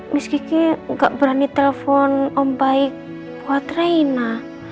miss kiki nggak berani telfon om baik buat reina